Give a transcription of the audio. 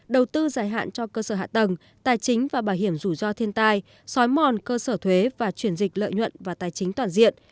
đầu tư dài hạn cho cơ sở hạ tầng tài chính và bảo hiểm rủi ro thiên tai xói mòn cơ sở thuế và chuyển dịch lợi nhuận và tài chính toàn diện